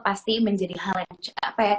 pasti menjadi hal yang capek